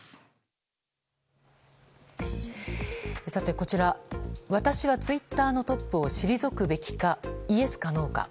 こちら、私はツイッターのトップを退くべきかイエスかノーか。